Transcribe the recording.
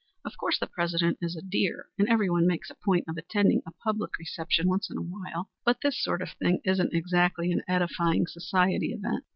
Of course the President is a dear, and everyone makes a point of attending a public reception once in a while, but this sort of thing isn't exactly an edifying society event.